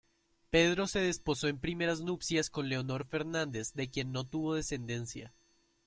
Pedro se desposó en primeras nupcias con Leonor Fernández, de quien no tuvo descendencia.